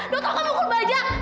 dokter kamu ngukul bajak